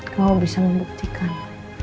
kamu bisa membuktikan